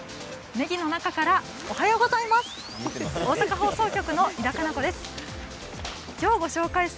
ねぎの中からおはようございます。